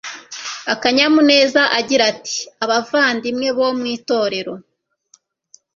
akanyamuneza agira ati abavandimwe bo mu itorero